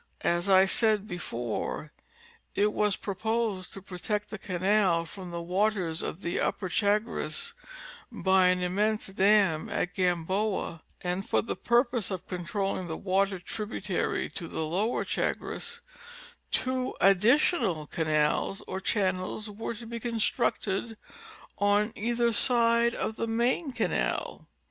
As I said before it was proposed to protect the canal from the waters of the upper Chagres by an immense dam at Gamboa, and for the purpose of controlling the water tributary to the lower Chagres two additional canals or channels were to be constructed on either side of the main canal.